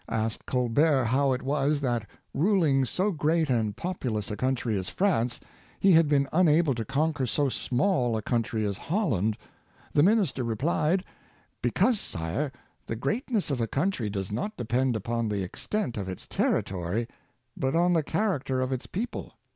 asked Colbert how it was that, ruling so great and populous a country as France, he had been unable to conquer so small a country as Hol land, the minister replied: " Because, sire, the greatness of a country does not depend upon the extent of its territory, but on the character of its people.